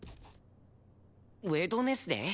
ウェドネスデー？